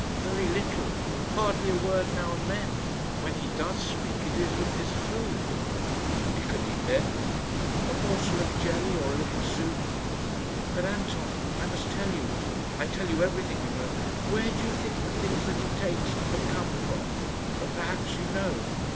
"Very little; hardly a word now and then. When he does speak, it is of his food." "He can eat, then?" "A morsel of jelly, or a little soup. But, Anton, I must tell you I tell you everything, you know where do you think the things that he takes have come from? But perhaps you know."